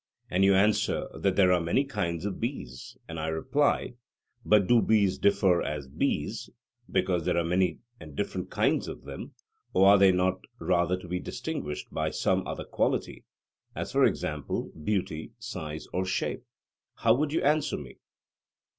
and you answer that there are many kinds of bees, and I reply: But do bees differ as bees, because there are many and different kinds of them; or are they not rather to be distinguished by some other quality, as for example beauty, size, or shape? How would you answer me?